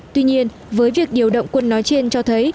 tuy nhiên với việc điều động quân nói trên cho thấy